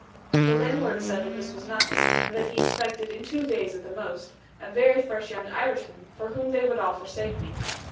The landlord said that this was nothing; and that he expected, in two days at the utmost, a very fresh young Irishman, for whom they would all forsake me.